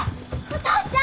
父ちゃん！